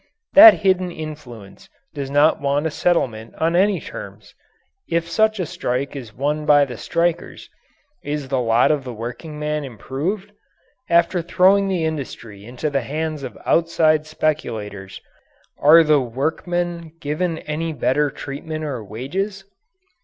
That hidden influence does not want a settlement on any terms. If such a strike is won by the strikers, is the lot of the workingman improved? After throwing the industry into the hands of outside speculators, are the workmen given any better treatment or wages?